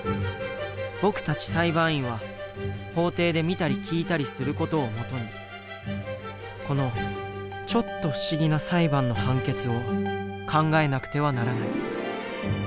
僕たち裁判員は法廷で見たり聞いたりする事を基にこのちょっと不思議な裁判の判決を考えなくてはならない。